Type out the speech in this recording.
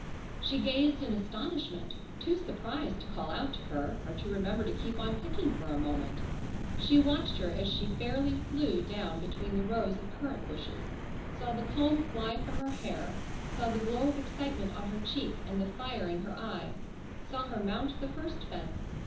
She gazed in astonishment, too surprised to call out to her, or to remember to keep on picking for a moment. She watched her as she fairly flew down between the rows of currant bushes, saw the comb fly from her hair, saw the glow of excitement on her cheek, and the fire in her eye, saw her mount the first fence.